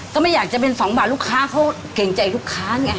ก็ไม่อยากจะเป็น๒บาทลูกค้าเขาเก่งใจลูกค้าไง